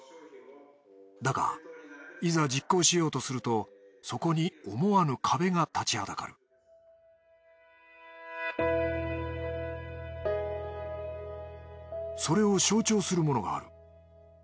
だがいざ実行しようとするとそこに思わぬ壁が立ちはだかるそれを象徴するものがある。